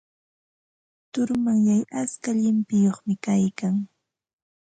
Turumanyay atska llimpiyuqmi kaykan.